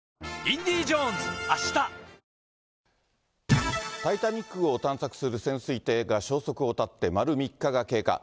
続くタイタニック号を探索する潜水艇が消息を絶って丸３日が経過。